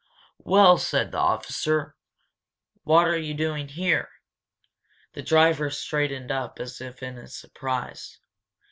"Well," said the officer, "what are you doing here?" The driver straightened up as if in surprise.